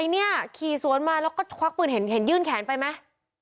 เนี่ยขี่สวนมาแล้วก็ควักปืนเห็นยื่นแขนไปไหม